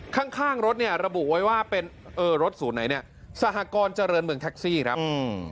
ข้างข้างรถเนี่ยระบุไว้ว่าเป็นเออรถศูนย์ไหนเนี่ยสหกรเจริญเมืองแท็กซี่ครับอืม